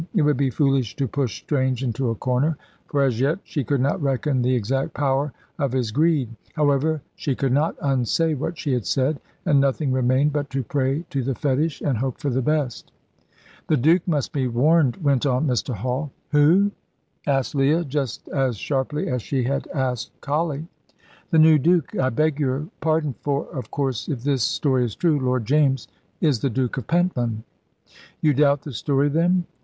It would be foolish to push Strange into a corner, for as yet she could not reckon the exact power of his greed. However, she could not unsay what she had said, and nothing remained but to pray to the fetish and hope for the best. "The Duke must be warned," went on Mr. Hall. "Who?" asked Leah, just as sharply as she had asked Colley. "The new Duke I beg your pardon, for, of course, if this story is true, Lord James is the Duke of Pentland." "You doubt the story, then?"